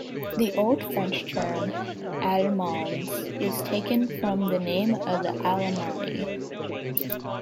The Old French term "alemans" is taken from the name of the Alamanni.